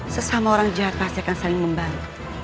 sesama orang jawa pasti akan saling membantu